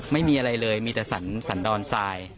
ไม่มีอะไรเลยมีแต่สันดอนทราย